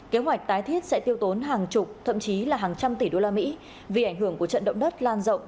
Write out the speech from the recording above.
kế hoạch tái thiết sẽ tiêu tốn hàng chục thậm chí là hàng trăm tỷ usd vì ảnh hưởng của trận động đất lan rộng